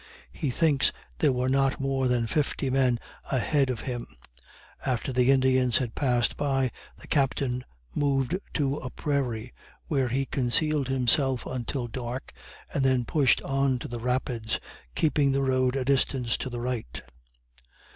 He thinks there were not more than fifty men ahead of him. After the Indians had passed by, the Captain moved to a prairie, where he concealed himself until dark, and then pushed on to the Rapids, keeping the road a distance to the right.